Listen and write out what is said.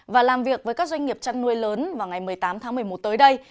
và làm việc với các doanh nghiệp chăn nuôi lớn vào ngày một mươi tám tháng một mươi một tới đây